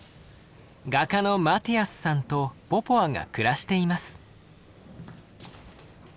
画家のマティアスさんとポポワが暮らしています。